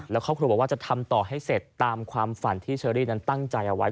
แล้วครอบครัวบอกว่าจะทำต่อให้เสร็จตามความฝันที่เชอรี่นั้นตั้งใจเอาไว้